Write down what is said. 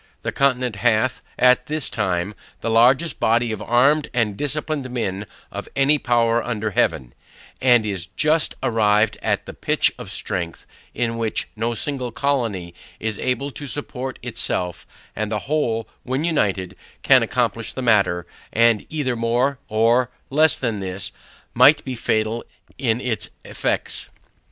The Continent hath, at this time, the largest body of armed and disciplined men of any power under Heaven; and is just arrived at that pitch of strength, in which, no single colony is able to support itself, and the whole, when united, can accomplish the matter, and either more, or, less than this, might be fatal in its effects.